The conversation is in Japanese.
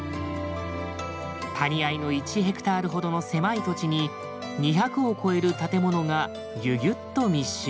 谷間の１ヘクタールほどの狭い土地に２００を超える建物がギュギュッと密集。